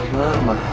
mau kemana mau kemana